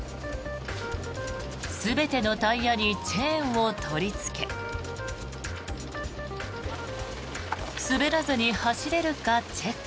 全てのタイヤにチェーンを取りつけ滑らずに走れるかチェック。